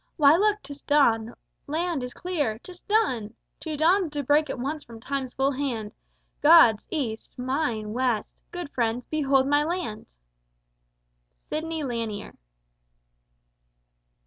Why, look, 'tis dawn, the land is clear: 'tis done! Two dawns do break at once from Time's full hand God's, East mine, West: good friends, behold my Land!" SIDNEY LANIER.